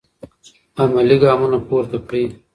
عملي ګامونه پورته کړئ.